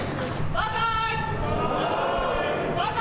万歳。